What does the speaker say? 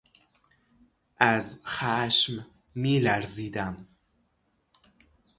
از خشم می لرزیدم.